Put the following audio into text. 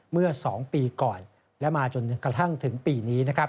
เมื่อ๒ปีก่อนและมาจนกระทั่งถึงปีนี้